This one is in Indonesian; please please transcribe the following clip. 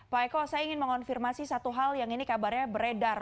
pak eko saya ingin mengonfirmasi satu hal yang ini kabarnya beredar